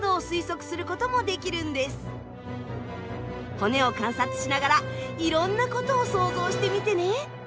骨を観察しながらいろんなことを想像してみてね。